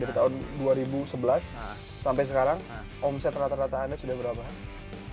dari tahun dua ribu sebelas sampai sekarang omset rata rata anda sudah berapa